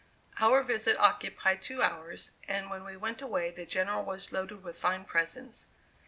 Our visit occupied two hours, and when we went away the General was loaded with fine presents.